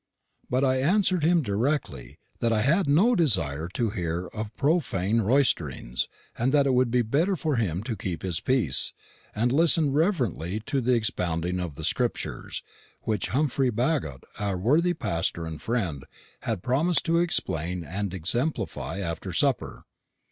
"But I answered him directly, that I had no desire to hear of profane roisterings, and that it would be better for him to keep his peace, and listen reverently to the expounding of the Scriptures, which Humphrey Bagot, our worthy pastor and friend, had promised to explain and exemplify after supper.